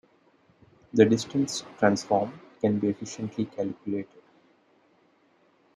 The distance transform can be efficiently calculated.